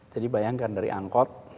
jadi bayangkan dari angkot